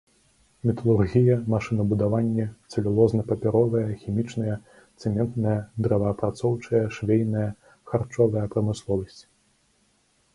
Металургія, машынабудаванне, цэлюлозна-папяровая, хімічная, цэментная, дрэваапрацоўчая, швейная, харчовая прамысловасць.